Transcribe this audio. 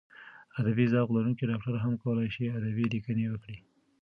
ادبي ذوق لرونکی ډاکټر هم کولای شي ادبي لیکنې وکړي.